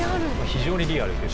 非常にリアルで。